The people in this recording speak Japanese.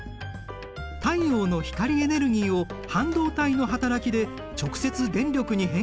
太陽の光エネルギーを半導体の働きで直接電力に変換する発電方法だ。